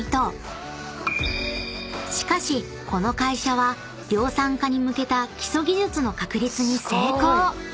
［しかしこの会社は量産化に向けた基礎技術の確立に成功］